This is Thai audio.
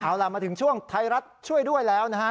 เอาล่ะมาถึงช่วงไทยรัฐช่วยด้วยแล้วนะฮะ